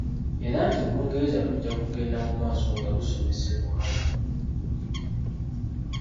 Era nti Olungereza lujja kugenda mu maaso nga lusomesebwamu.